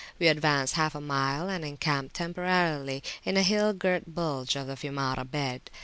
We advanced half a mile, and encamped temporarily in a hill girt bulge of the Fiumara bed.